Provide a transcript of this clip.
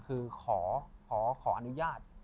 คือขออนุญาต